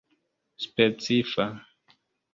specifa